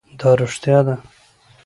دا رښتیا ده.